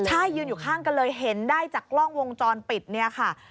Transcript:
ใช่ยืนอยู่ข้างกันเลยเห็นได้จากกล้องวงจรปิดเนี่ยค่ะ